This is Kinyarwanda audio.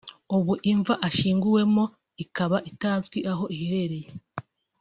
ubu imva ashyinguwe mo ikaba itazwi aho iherereye